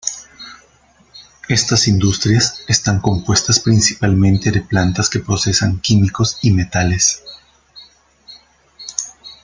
Estas industrias están compuestas principalmente de plantas que procesan químicos y metales.